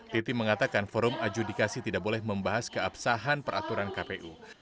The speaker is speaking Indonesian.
titi mengatakan forum adjudikasi tidak boleh membahas keabsahan peraturan kpu